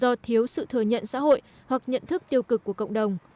cách ly này do thiếu sự thừa nhận xã hội hoặc nhận thức tiêu cực của cộng đồng